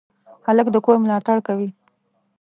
هلک د کور ملاتړ کوي.